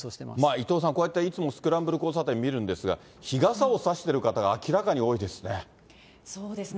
伊藤さん、こうやっていつもスクランブル交差点見るんですが、日傘を差している方が明らかに多いですね。